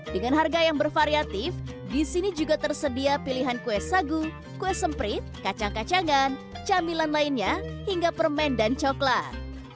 dengan harga yang bervariatif di sini juga tersedia pilihan kue sagu kue semprit kacang kacangan camilan lainnya hingga permen dan coklat